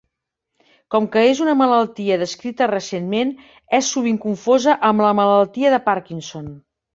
Com que és una malaltia descrita recentment, és sovint confosa amb la malaltia de Parkinson.